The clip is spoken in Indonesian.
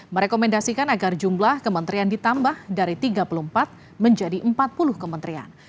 merekomendasikan agar jumlah kementerian ditambah dari tiga puluh empat menjadi empat puluh kementerian